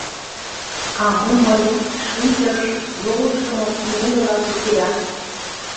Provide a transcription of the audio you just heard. «А мо мыйым шинчырыш йолыштымо пинегыла кучеда?